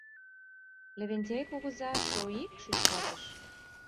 Левентей кугыза шойик шӱшкалтыш.